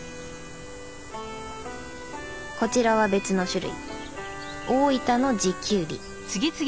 こちらは別の種類。